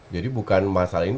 jadi bukan masalah ini